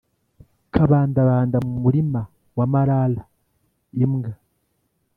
kabandabanda mu murima wa marara-imbwa.